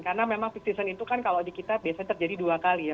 karena memang fixed season itu kan kalau di kita biasanya terjadi dua kali ya